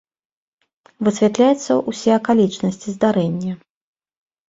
Высвятляюцца ўсе акалічнасці здарэння.